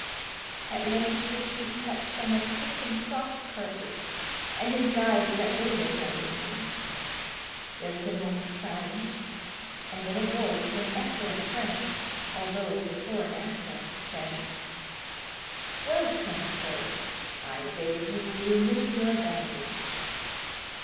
At length his feet touched on a thick and soft carpet, and his guides let go their hold of him. There was a moment's silence, and then a voice, in excellent French, although, with a foreign accent, said: "Welcome, sir. I beg you will remove your bandage."